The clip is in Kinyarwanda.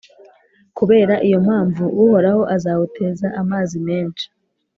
kubera iyo mpamvu, Uhoraho azawuteza amazi menshi,